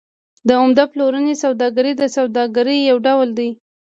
د عمده پلورنې سوداګري د سوداګرۍ یو ډول دی